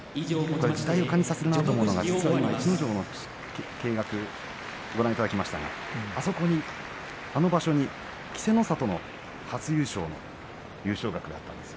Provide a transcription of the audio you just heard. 時代を感じさせるなと思うのは逸ノ城の掲額、ご覧いただきましたがあそこに、あの場所に稀勢の里の初優勝の優勝額があったんです。